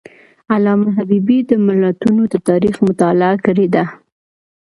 علامه حبیبي د ملتونو د تاریخ مطالعه کړې ده.